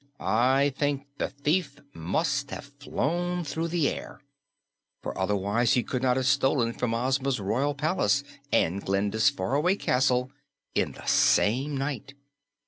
I think the thief must have flown through the air, for otherwise he could not have stolen from Ozma's royal palace and Glinda's faraway castle in the same night.